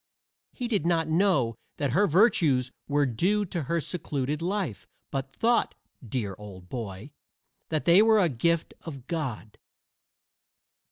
He did not know that her virtues were due to her secluded life, but thought, dear old boy, that they were a gift of God.